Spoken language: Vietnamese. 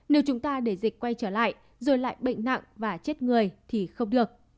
nếu chúng ta để dịch quay trở lại rồi lại bệnh nặng và chết người thì không được